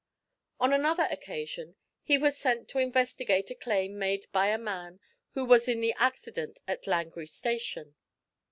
On another occasion he was sent to investigate a claim made by a man who was in the accident at Langrye Station.